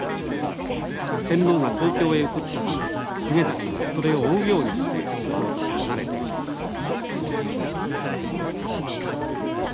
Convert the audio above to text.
天皇が東京へ移ったため公家たちはそれを追うようにして京都を離れていきました。